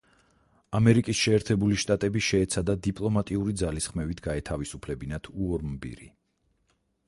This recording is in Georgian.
ამერიკის შეერთებული შტატები შეეცადა დიპლომატიური ძალისხმევით გაეთავისუფლებინათ უორმბირი.